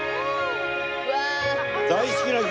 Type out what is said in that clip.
大好きな曲。